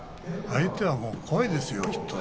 相手は怖いですよ、きっと。